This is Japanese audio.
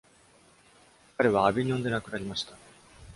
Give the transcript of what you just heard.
彼はアヴィニョンで亡くなりました。